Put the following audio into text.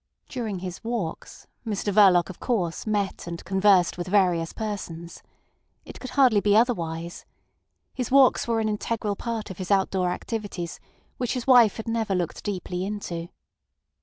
During his "walks" Mr Verloc, of course, met and conversed with various persons. It could hardly be otherwise. His walks were an integral part of his outdoor activities, which his wife had never looked deeply into.